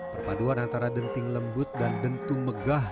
perpaduan antara denting lembut dan dentung megah